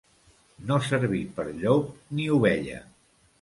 No servir per llop ni ovella.